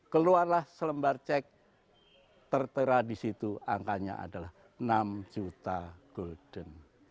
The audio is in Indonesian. keluarlah selembar cek tertera di situ angkanya adalah enam juta golden